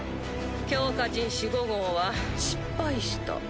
強化人士５号は失敗した。